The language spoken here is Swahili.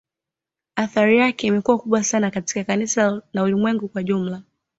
Athari yake imekuwa kubwa sana katika kanisa na Ulimwengu kwa jumla